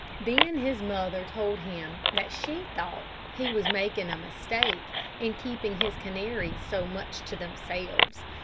Then his mother told him that she thought he was making a mistake in keeping his canaries so much to themselves.